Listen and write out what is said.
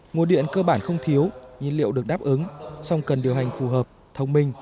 nguồn điện cơ bản không thiếu nhiên liệu được đáp ứng song cần điều hành phù hợp thông minh